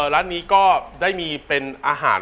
ร้านนี้ก็ได้มีเป็นอาหาร